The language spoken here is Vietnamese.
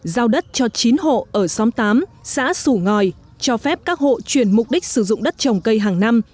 giao đất cho chín hộ ở xóm tám xã sủ ngòi cho phép các hộ chuyển mục đích sử dụng đất trồng cây hàng năm